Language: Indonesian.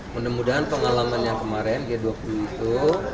mudah mudahan pengalaman yang kemarin g dua puluh itu